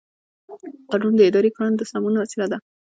قانون د اداري کړنو د سمون وسیله ده.